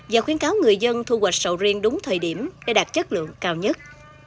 và khuyến cáo người dân thu hoạch sầu riêng đúng thời điểm để đạt chất lượng cao nhất